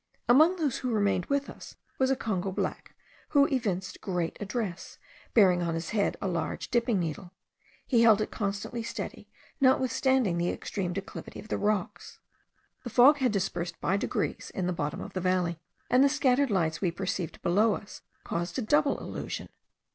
Among those who remained with us was a Congo black, who evinced great address, bearing on his head a large dipping needle: he held it constantly steady, notwithstanding the extreme declivity of the rocks. The fog had dispersed by degrees in the bottom of the valley; and the scattered lights we perceived below us caused a double illusion.